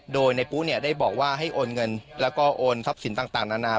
โดยในปุ๊ได้บอกว่าให้โอนเงินแล้วก็โอนทรัพย์สินต่างนานา